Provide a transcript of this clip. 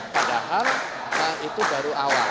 padahal itu baru awal